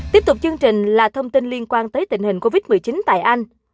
tiếp tục chương trình là thông tin liên quan tới tình hình covid một mươi chín tại anh